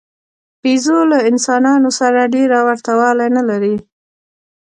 بیزو له انسانانو سره ډېره ورته والی نه لري.